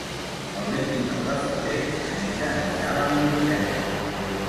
El vint-i-nou de febrer na Neida anirà a la biblioteca.